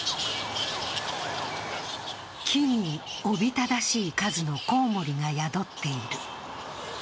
木におびただしい数のコウモリが宿っている。